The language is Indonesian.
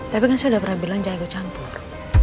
tapi kan saya udah pernah bilang jangan gue campur